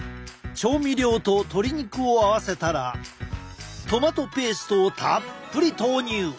調味料と鶏肉を合わせたらトマトペーストをたっぷり投入！